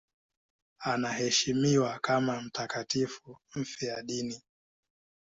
Anaheshimiwa kama mtakatifu mfiadini.